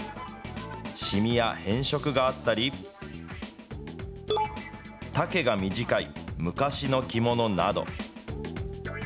染みや変色があったり、丈が短い、昔の着物など。